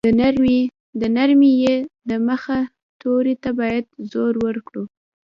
د نرمې ی د مخه توري ته باید زور ورکړو.